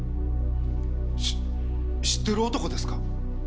し知ってる男ですか？